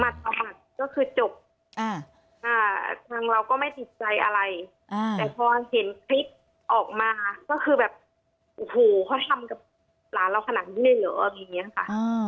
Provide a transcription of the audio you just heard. แต่พอเห็นคลิปออกมาก็คือแบบโอ้โหเขาทำกับหลานเราขนาดนี้เลยเหรออย่างนี้นะคะ